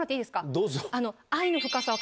どうぞ。